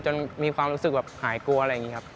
มีความรู้สึกแบบหายกลัวอะไรอย่างนี้ครับ